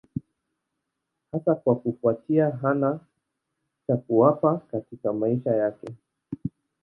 Hasa kwa kufuatia hana cha kuwapa katika maisha yake.